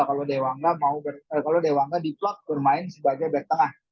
kalau dewangga di plot bermain sebagai back tengah